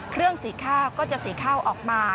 เครื่องสีข้าวก็จะสีข้าวออกมา